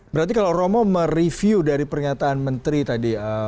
berarti kalau orang mau mereview dari pernyataan menteri tadi